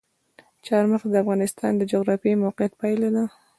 چار مغز د افغانستان د جغرافیایي موقیعت پایله ده.